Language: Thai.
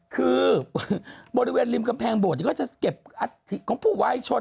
คือบริเวณริมกำแพงโบสถก็จะเก็บอัฐิของผู้วายชน